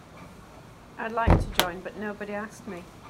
I'd like to join but nobody asked me.